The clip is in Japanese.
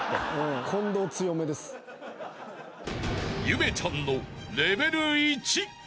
［ゆめちゃんのレベル１］